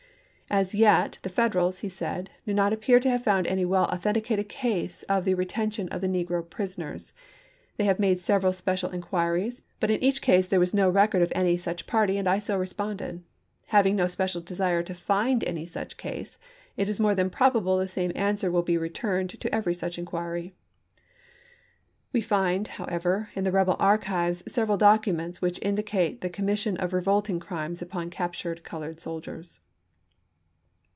"As yet, the Federals," he said, " do not appear to have found any well authenticated case of the retention of the negro prisoners. They have made several special inquiries, but in each case there was no rec ord of any such party, and I so responded. Having no special desire to find any such case, it is more than probable the same answer will be returned to canby's every such inquiry." We find, however, in the p?^!*' rebel archives several documents which indicate the commission of revolting crimes upon captured colored soldiers.